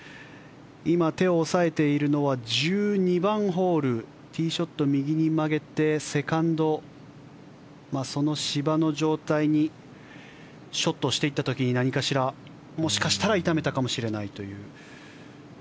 今、手を押さえているのは１２番ホールティーショット、右に曲げてセカンドその芝の状態にショットしていった時に何かしら、もしかしたら痛めたかもしれないという。